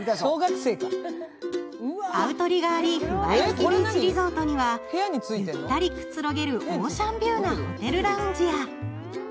アウトリガー・リーフ・ワイキキ・ビーチ・リゾートには、ゆったりくつろげるオーシャンビューなホテルラウンジや。